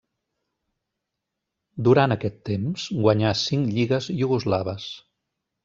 Durant aquest temps guanyà cinc lligues iugoslaves.